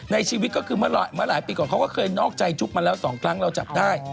ในชีวิตก็คือเมื่อหลายปีก่อนเขาก็เคยนอกใจจุ๊บมาแล้ว๒ครั้งเราจับได้